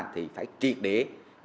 thì phải triệt địa